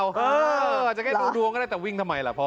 จะแค่ดูดวงก็ได้แต่วิ่งทำไมล่ะพ่อ